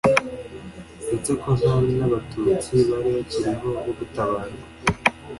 ndetse ko nta n' abatutsi bari bakiriho bo gutabarwa.